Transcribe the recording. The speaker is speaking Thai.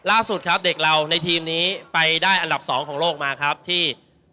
ล่าสุดครับเด็กเราในทีมนี้ไปได้อันดับ๒ของโลกมาครับที่